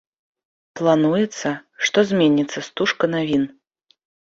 Плануецца, што зменіцца стужка навін.